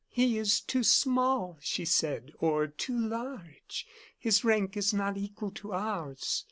"He is too small," she said, "or too large. His rank is not equal to ours.